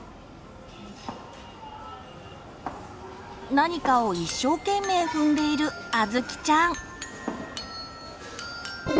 何かを一生懸命踏んでいるあずきちゃん。